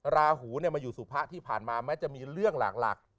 ราหูมาอยู่สุพะที่ผ่านมาแม้จะมีเรื่องหลัก